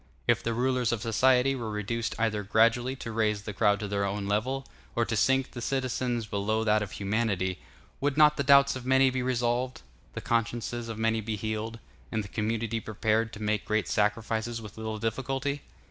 If the rulers of society were reduced either gradually to raise the crowd to their own level, or to sink the citizens below that of humanity, would not the doubts of many be resolved, the consciences of many be healed, and the community prepared to make great sacrifices with little difficulty?